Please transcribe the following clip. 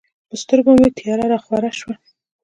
په سترګو مې تیاره راخوره شوه.